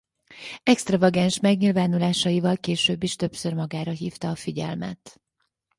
Extravagáns megnyilvánulásaival később is többször magára hívta a figyelmet.